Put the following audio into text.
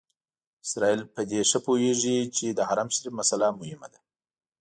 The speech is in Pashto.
اسرائیل په دې ښه پوهېږي چې د حرم شریف مسئله مهمه ده.